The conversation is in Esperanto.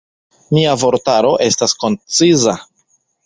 Mia vortaro estas konciza.